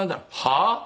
「はあ？」。